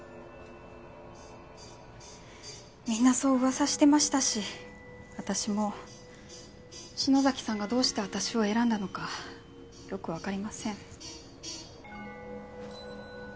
みんなそう噂してましたし私も篠崎さんがどうして私を選んだのかよくわかりません。